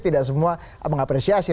tidak semua mengapresiasi